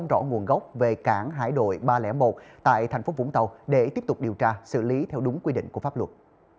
rõ nguồn gốc về cảng hải đội ba trăm linh một tại thành phố vũng tàu để tiếp tục điều tra xử lý theo đúng quy định của pháp luật